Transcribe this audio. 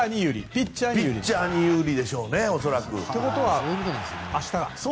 ピッチャーに有利でしょうね、恐らく。ということは明日が。